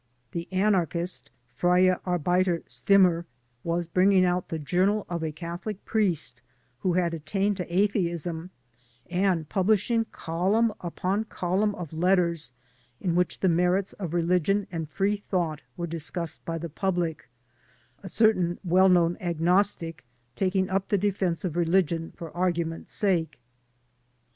The anarchist Freie Arbeiter Stimme was bringing out the journal of a Catholic priest who had attained to atheism, and publishing column upon column of letters in which the merits of religion and free thought were discussed by the public, a certain well known agnostic taking up the defense of religion for argument's sake.